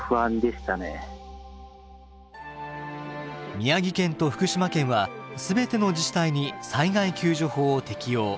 宮城県と福島県は全ての自治体に災害救助法を適用。